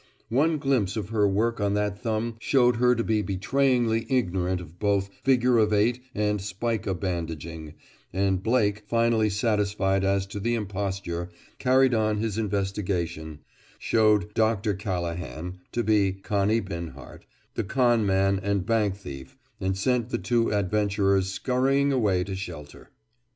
One glimpse of her work on that thumb showed her to be betrayingly ignorant of both figure of eight and spica bandaging, and Blake, finally satisfied as to the imposture, carried on his investigation, showed "Doctor Callahan" to be Connie Binhart, the con man and bank thief, and sent the two adventurers scurrying away to shelter.